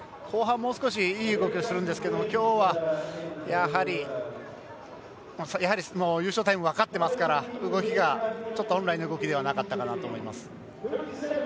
後半、もう少しいい動きをするんですけどきょうは、やはり優勝タイム分かってますから動きが、ちょっと本来の動きではなかったかなと思います。